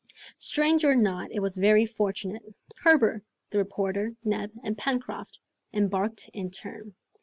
Strange or not, it was very fortunate. Herbert, the reporter, Neb, and Pencroft, embarked in turn.